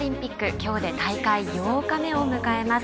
今日で大会８日目を迎えます。